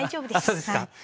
あっそうですか。